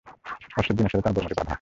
অশ্বের জিনের সাথে তার বর্মটি বাঁধা।